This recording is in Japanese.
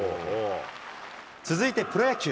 続いてプロ野球。